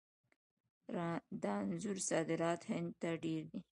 د انځرو صادرات هند ته ډیر دي.